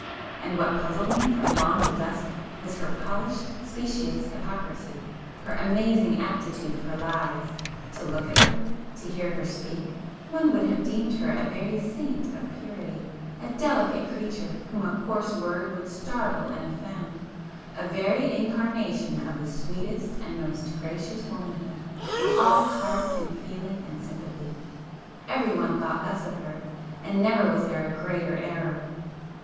And what puzzled me from dawn to dusk was her polished, specious hypocrisy,—her amazing aptitude for lies! To look at her,—to hear her speak,—one would have deemed her a very saint of purity,—a delicate creature whom a coarse word would startle and offend,—a very incarnation of the sweetest and most gracious womanhood,—all heart and feeling and sympathy. Everyone thought thus of her,—and never was there a greater error.